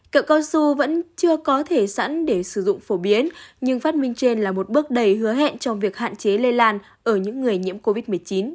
cậu cao su vẫn chưa có thể sẵn để sử dụng phổ biến nhưng phát minh trên là một bước đầy hứa hẹn trong việc hạn chế lây lan ở những người nhiễm covid một mươi chín